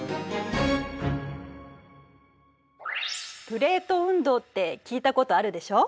「プレート運動」って聞いたことあるでしょ？